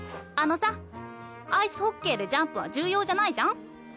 あのさアイスホッケーでジャンプは重要じゃないじゃん。